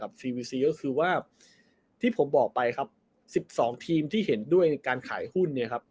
ก็คือว่าที่ผมบอกไปครับสิบสองทีมที่เห็นด้วยการขายหุ้นเนี้ยครับ